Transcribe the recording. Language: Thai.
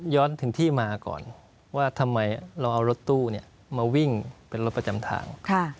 ถึงที่มาก่อนว่าทำไมเราเอารถตู้มาวิ่งเป็นรถประจำทาง